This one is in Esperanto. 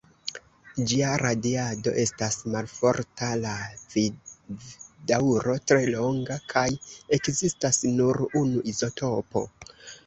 Ĝia radiado estas malforta, la vivdaŭro tre longa, kaj ekzistas nur unu izotopo.